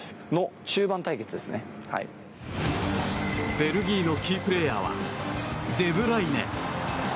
ベルギーのキープレーヤーはデブライネ。